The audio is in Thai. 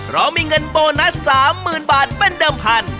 เรามีเงินโบนัส๓๐๐๐บาทเป็นเดิมพัน